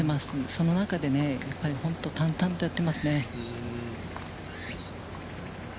その中でね、やっぱり本当淡々とやっていますね。